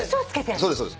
そうですそうです。